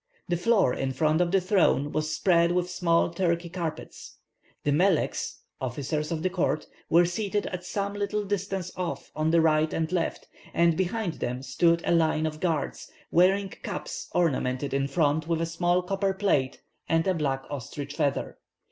The floor in front of the throne was spread with small Turkey carpets. The meleks (officers of the court) were seated at some little distance off on the right and left, and behind them stood a line of guards, wearing caps ornamented in front with a small copper plate and a black ostrich feather.